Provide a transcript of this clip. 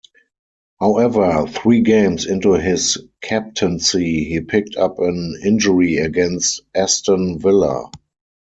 However three games into his captaincy he picked up an injury against Aston Villa.